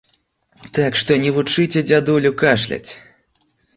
Так што не вучыце дзядулю кашляць!